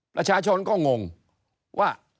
ประชาชนก็งงว่า